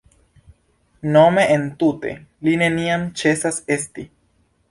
Nome, entute, “Li neniam ĉesas esti”.